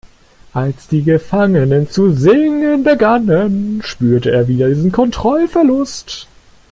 Als die Gefangenen zu singen begannen, spürte er wieder diesen Kontrollverlust.